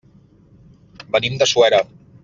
Venim de Suera.